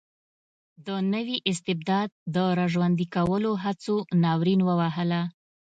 د نوي استبداد د را ژوندي کولو هڅو ناورین ووهله.